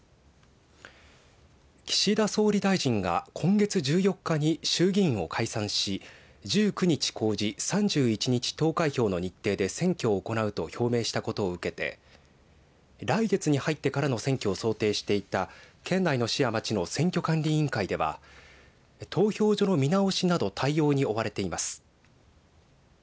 岸田総理大臣が今月１４日に衆議院を解散し１９日公示３１日投開票の日程で選挙を行うと表明したことを受けて来月に入ってからの選挙を想定していた県内の市や町の選挙管理委員会では投票所の見直しなど対応に追われています。